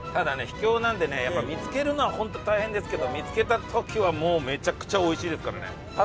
秘境なんでねやっぱ見つけるのは本当大変ですけど見つけた時はもうめちゃくちゃおいしいですからね。